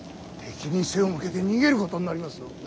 敵に背を向けて逃げることになりますぞ。